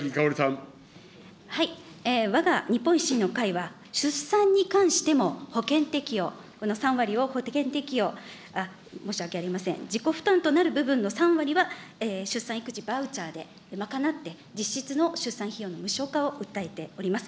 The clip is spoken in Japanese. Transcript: わが日本維新の会は、出産に関しても保険適用、３割の保険適用、申し訳ありません、自己負担となる部分の３割は出産育児バウチャーで賄って、実質の出産費用の無償化を訴えております。